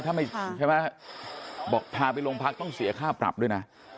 ถ้าไม่ใช่ไหมบอกพาไปโรงพักต้องเสียค่าปรับด้วยนะ